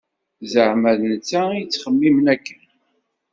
Zeɛma d netta i yettxemmimen akken.